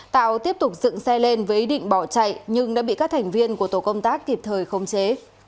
tạo tiếp tục dựng xe lên với ý định bỏ chạy nhưng đã bị các thành viên của tổ công tác kịp thời khống chế